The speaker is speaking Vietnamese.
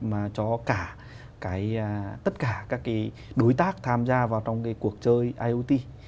mà cho tất cả các đối tác tham gia vào trong cuộc chơi iot